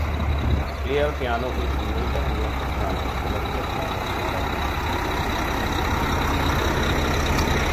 A player piano is neither an electric piano, electronic piano, nor a digital piano.